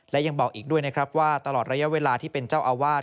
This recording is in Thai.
และยังบอกอีกด้วยนะครับว่าตลอดระยะเวลาที่เป็นเจ้าอาวาส